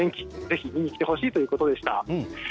ぜひ見に来てほしいということでした。